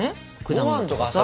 果物とかさ。